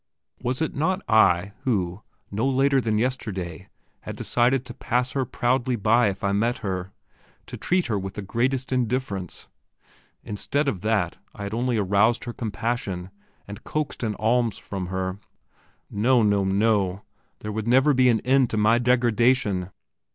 Was it not I who, no later than yesterday, had decided to pass her proudly by if I met her, to treat her with the greatest indifference? Instead of that, I had only aroused her compassion, and coaxed an alms from her. No, no, no; there would never be an end to my degradation!